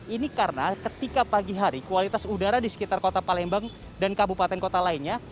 ini karena ketika pagi hari kualitas udara di sekitar kota palembang dan kabupaten kota lainnya